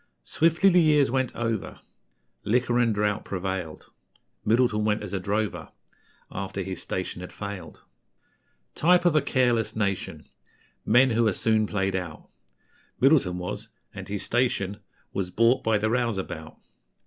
Swiftly the years went over, Liquor and drought prevailed; Middleton went as a drover, After his station had failed. Type of a careless nation, Men who are soon played out, Middleton was: and his station Was bought by the Rouseabout.